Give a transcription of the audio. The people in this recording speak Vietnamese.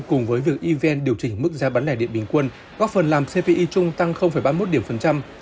cùng với việc evn điều chỉnh mức giá bán lẻ điện bình quân góp phần làm cpi chung tăng ba mươi một điểm phần trăm